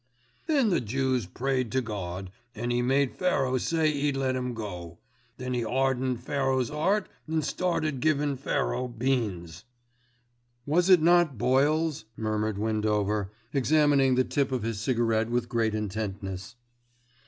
"Then the Jews prayed to Gawd, and 'E made Pharaoh say 'e'd let 'em go. Then 'E 'ardened Pharaoh's 'eart an' started givin' Pharaoh beans." "Was it not boils?" murmured Windover, examining the tip of his cigarette with great intentness.